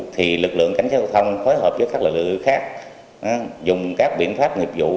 thì lực lượng cảnh sát giao thông phối hợp với các lực lượng khác dùng các biện pháp nghiệp vụ